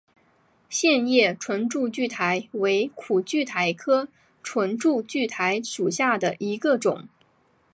线叶唇柱苣苔为苦苣苔科唇柱苣苔属下的一个种。